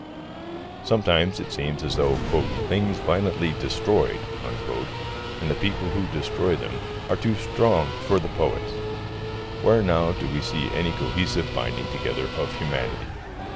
Sometimes it seems as though "things violently destroyed," and the people who destroy them, are too strong for the poets. Where, now, do we see any cohesive binding together of humanity?